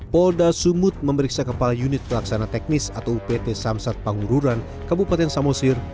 polda sumut memeriksa kepala unit pelaksana teknis atau upt samsat pangururan kabupaten samosir